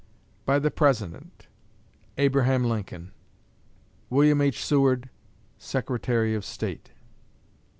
By the President: ABRAHAM LINCOLN. WILLIAM H. SEWARD, Secretary of State.